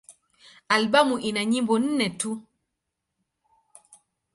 Albamu ina nyimbo nne tu.